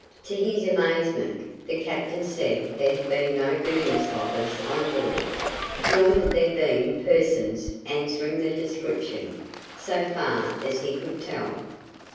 To his amazement, the captain said there had been no Guggenslockers on board nor had there been persons answering the description, so far as he could tell.